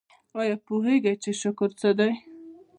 ایا پوهیږئ چې شکر څه دی؟